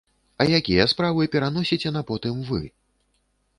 А якія справы пераносіце на потым вы?